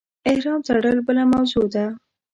احرام تړل بله موضوع ده.